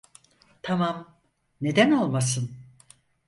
Tamam, neden olmasın?